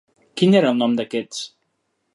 Quin era el nom d'aquests?